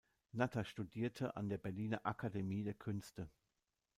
Natter studierte an der Berliner Akademie der Künste.